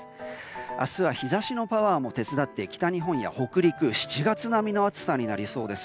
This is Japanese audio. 明日は日差しのパワーも手伝って、北日本や北陸７月並みの暑さになりそうです。